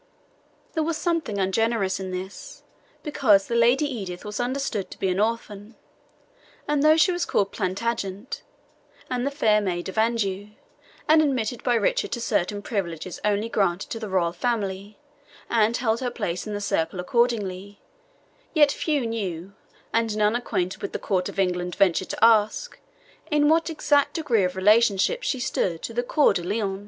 There was something ungenerous in this, because the Lady Edith was understood to be an orphan; and though she was called Plantagenet, and the fair Maid of Anjou, and admitted by Richard to certain privileges only granted to the royal family, and held her place in the circle accordingly, yet few knew, and none acquainted with the Court of England ventured to ask, in what exact degree of relationship she stood to Coeur de Lion.